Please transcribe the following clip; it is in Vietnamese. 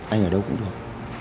anh ở đâu cũng được